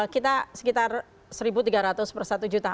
kita sekitar satu tiga ratus per satu juta